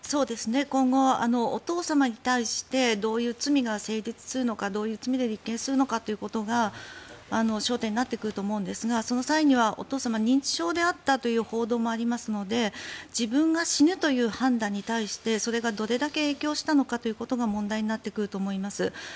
今後、お父様に対してどういう罪が成立するのかどういう罪で立件するのかが焦点になってくると思うんですがその際にはお父様、認知症であったという報道もありますので自分が死ぬという判断に対してそれがどれだけ影響したのかということが問題になってくると思います。